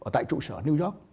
tại trụ sở new york